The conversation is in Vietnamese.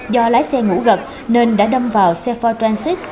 do lái xe ngủ gật nên đã đâm vào c bốn transit một mươi sáu chỗ